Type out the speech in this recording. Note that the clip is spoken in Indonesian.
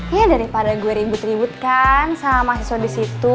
ya daripada gua ribut ributkan sama siswa di situ